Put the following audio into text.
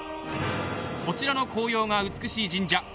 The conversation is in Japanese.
こちらの紅葉が美しい神社。